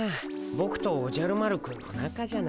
ボクとおじゃる丸くんの仲じゃない。